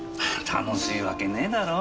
楽しいわけねえだろ。